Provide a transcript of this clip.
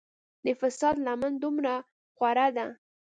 د فساد لمن دومره خوره ده.